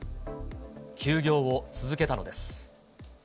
休業を続けたのです。